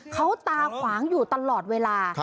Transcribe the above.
เขาตาขวางอยู่ตลอดเวลา